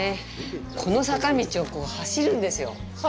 この坂道を走るんですよ。